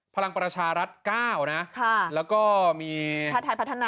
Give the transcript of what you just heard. พลังประชารัฐ๙นะแล้วก็มีชาติไทยพัฒนา